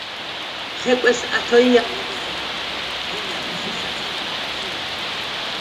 ხეკვეს ათოჲა̄ნ ლემეზრა̄̈ლ, ღვინალ, შესაწირა̈ლ, ჟინაღ.